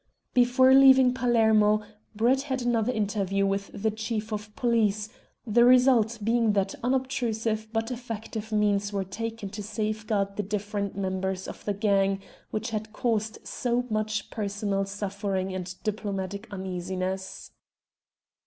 Before leaving Palermo Brett had another interview with the Chief of Police, the result being that unobtrusive but effective means were taken to safeguard the different members of the gang which had caused so much personal suffering and diplomatic uneasiness.